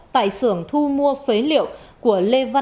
tại sưởng thu mua phế liệu của lê văn thành